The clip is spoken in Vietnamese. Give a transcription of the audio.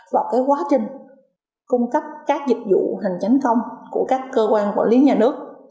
vào quá trình cung cấp các dịch vụ hành tránh công của các cơ quan quản lý nhà nước